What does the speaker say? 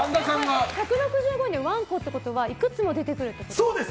１６５円で、わんこってことはいくつも出てくるってことですか。